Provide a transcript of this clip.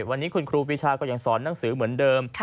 วันนี้คุณครูปีชาก็ยังสอนหนังสือเหมือนเดิม